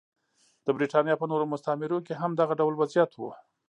د برېټانیا په نورو مستعمرو کې هم دغه ډول وضعیت و.